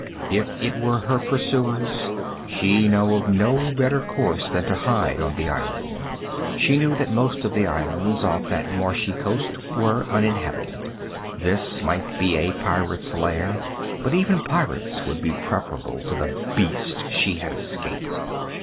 If it were her pursuers, she knew of no better course than to hide on the island. She knew that most of the islands off that marshy coast were uninhabited. This might be a pirate's lair, but even pirates would be preferable to the beast she had escaped.